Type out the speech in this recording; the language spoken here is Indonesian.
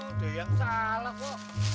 udah yang salah kok